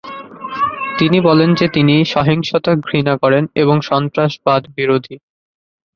তিনি বলেন যে তিনি "সহিংসতা ঘৃণা করেন" এবং "সন্ত্রাসবাদ বিরোধী"।